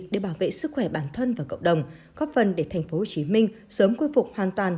để bảo vệ sức khỏe bản thân và cộng đồng góp phần để tp hcm sớm quy phục hoàn toàn